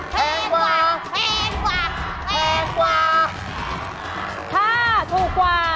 แพงกว่าแพงกว่าแพงกว่าแพงกว่า